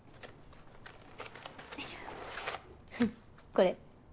これ。